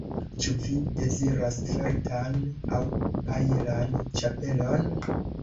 Ĉu vi deziras feltan aŭ pajlan ĉapelon?